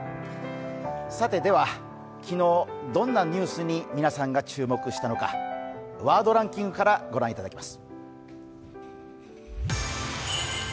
では、昨日どんなニュースに皆さんが注目したのか、ワードランキングから御覧いただきます。